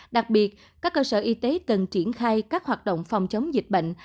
đặc biệt các cơ sở y tế cần triển khai các hoạt động phòng chống dịch bệnh